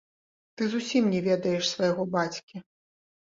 Ты зусім не ведаеш свайго бацькі.